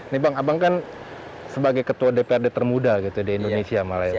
nih bang abang kan sebagai ketua dprd termuda gitu di indonesia malah ya